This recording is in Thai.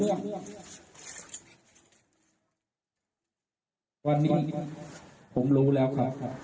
วันนี้ผมรู้แล้วครับ